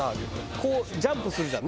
こうジャンプするじゃんねえ。